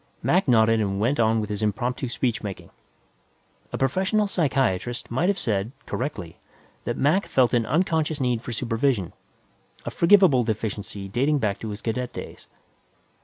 Mac nodded and went on with his impromptu speechmaking; a professional psychiatrist might have said, correctly, that Mac felt an unconscious need for supervision, a forgivable deficiency dating back to his cadet days.